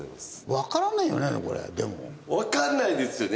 わからないよねこれでも。わかんないですよね。